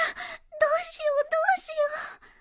どうしようどうしよう